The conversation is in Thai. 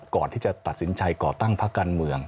ก่อนที่จะตัดสินใจก่อตั้งพักการเมือง